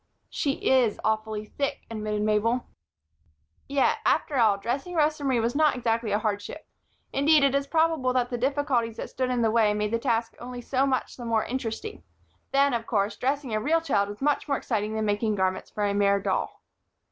"She is awfully thick," admitted Mabel. Yet, after all, dressing Rosa Marie was not exactly a hardship. Indeed, it is probable that the difficulties that stood in the way made the task only so much the more interesting; then, of course, dressing a real child was much more exciting than making garments for a mere doll.